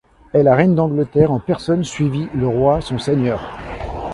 Et la reine d'Angleterre en personne suivit le roi son seigneur.